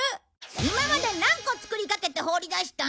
今まで何個作りかけて放り出した？